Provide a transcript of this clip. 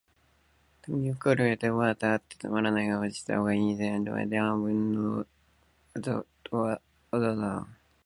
窓からとびおりるなんて、つまらない考えはよしたほうがいいぜ。念のためにいっておくがね、この家のまわりは、五十人の警官がとりかこんでいるんだよ。